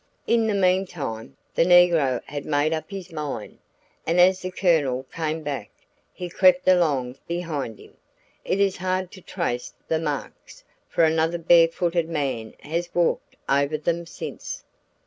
"In the meantime, the negro had made up his mind, and as the Colonel came back, he crept along behind him. It is hard to trace the marks, for another bare footed man has walked over them since.